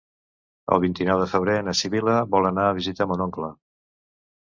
El vint-i-nou de febrer na Sibil·la vol anar a visitar mon oncle.